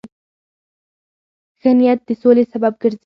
ښه نیت د سولې سبب ګرځي.